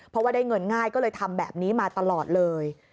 เพราะว่าได้เงินง่ายก็เลยทำแบบนี้มาตลอดเลย